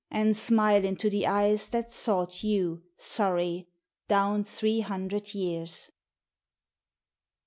and smile into the eyes That sought you, Surrey, down three hundred years.